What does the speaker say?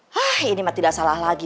hah ini tidak salah lagi